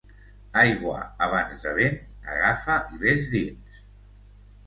Aigua abans de vent, agafa i ves dins.